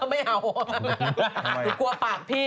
ไม่เอาเค้าถูกกลัวปากพี่